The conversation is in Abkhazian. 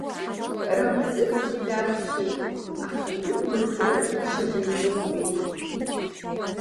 Рамзыцгьы дааччеит, аха дук мырҵыкәа ичча наиҿықәбеит.